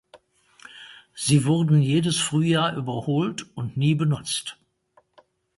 Sie wurden jedes Frühjahr überholt und nie benutzt.